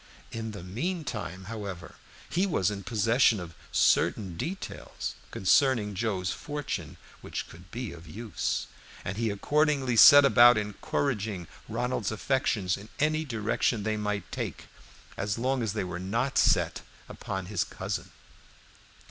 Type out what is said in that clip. In the mean time, however, he was in possession of certain details concerning Joe's fortune which could be of use, and he accordingly set about encouraging Ronald's affections in any direction they might take, so long as they were not set upon his cousin.